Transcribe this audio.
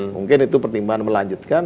mungkin itu pertimbangan melanjutkan